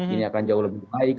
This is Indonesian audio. ini akan jauh lebih baik